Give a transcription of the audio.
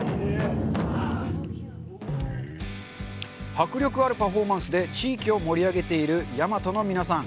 迫力あるパフォーマンスで地域を盛り上げている倭−ＹＡＭＡＴＯの皆さん